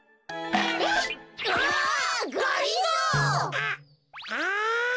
あっあ。